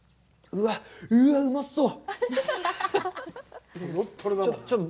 うわっ、うまそう。